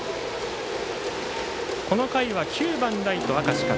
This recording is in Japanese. この回は９番ライト、明石から。